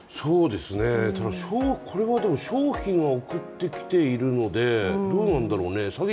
ただこれは商品を送ってきているのでどうなんだろうね。